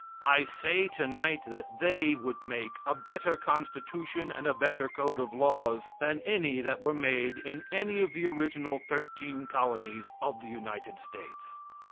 I say tonight that they would make a better constitution and a better code of laws than any that were made in any of the original thirteen colonies of the United States.